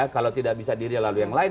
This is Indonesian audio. kalau tidak bisa dirial lalu yang lain